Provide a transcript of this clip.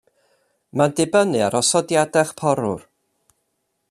Mae'n dibynnu ar osodiadau'ch porwr.